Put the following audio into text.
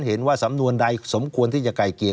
เห็นว่าสำนวนใดสมควรที่จะไกลเกลียด